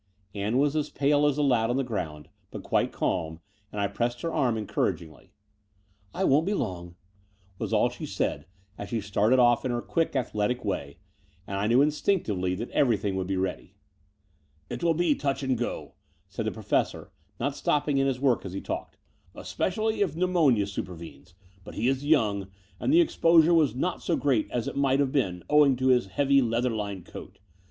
Ann was as pale as the lad on the ground, but quite calm, as I pressed her arm encouragingly. "I won't be long," was all she said, as she started off in her quick, athletic way; and I knew instinctivdy that everjrthing would be ready. *'It will be touch and go," said the Professor, not stopping in his work, as he talked, "especially if pneumonia supervenes ; but he is young, and the exposure was not so great as it might have been owing to his heavy leather lined coat.